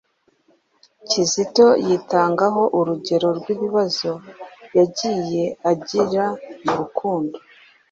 Kizito yitangaho urugero rw'ibibazo yagiye agira mu rukundo,